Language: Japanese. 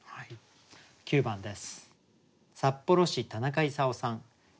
９番です。